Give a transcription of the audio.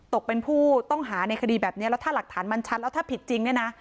ตกเป็นผู้ต้องหาในคดีแบบนี้แล้วถ้าหลักฐานมันชัดแล้วถ้าผิดจริงเนี่ยนะ